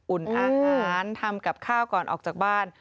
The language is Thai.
อาหารทำกับข้าวก่อนออกจากบ้าน